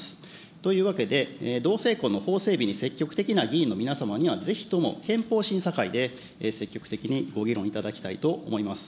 というわけで、同性婚の法整備に積極的な議員の皆様には、ぜひとも憲法審査会で、積極的にご議論いただきたいと思います。